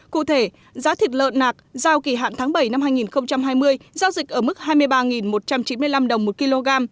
cụ thể giá thịt lợn nạc giao kỳ hạn tháng bảy năm hai nghìn hai mươi giao dịch ở mức hai mươi ba một trăm chín mươi năm đồng một kg